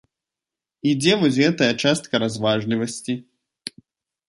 І дзе вось гэтая частка разважлівасці?